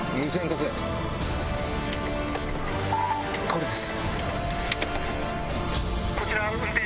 これです。